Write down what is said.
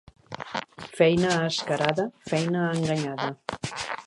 Feina a escarada, feina enganyada.